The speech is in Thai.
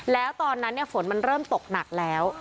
แล้วตอนนั้นฝนมันเริ่มตกหนักแล้ว